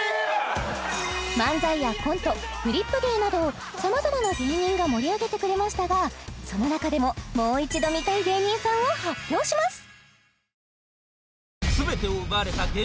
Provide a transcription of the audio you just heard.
漫才やコントフリップ芸など様々な芸人が盛り上げてくれましたがその中でももう一度見たい芸人さんを発表します